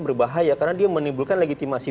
berbahaya karena dia menimbulkan legitimasi